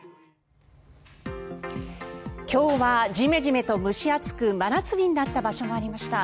今日はジメジメと蒸し暑く真夏日になった場所もありました。